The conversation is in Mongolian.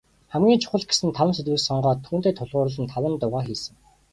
Хамгийн чухал гэсэн таван сэдвийг сонгоод, түүндээ тулгуурлан таван дуугаа хийсэн.